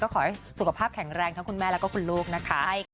ขอให้สุขภาพแข็งแรงทั้งคุณแม่แล้วก็คุณลูกนะคะ